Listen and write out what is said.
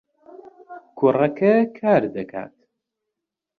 کوڕەکە کار دەکات.